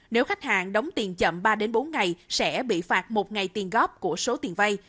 nếu khách hàng đóng tiền chậm ba bốn ngày sẽ bị phạt một ngày tiền góp của số tiền vay